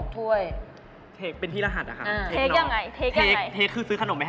เท็กเป็นที่รหัสค่ะ